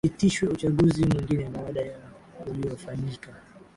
iitishwe uchaguzi mwingine baada ya uliyofanyika